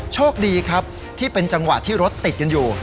โชคดีครับที่เป็นจังหวะที่รถติดกันอยู่